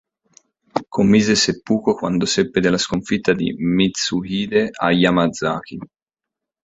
Commise seppuku quando seppe della sconfitta di Mitsuhide a Yamazaki.